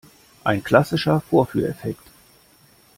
Ein klassischer Vorführeffekt!